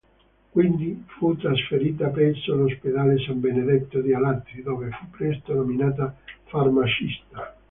Quindi fu trasferita presso l'ospedale San Benedetto di Alatri dove fu presto nominata farmacista.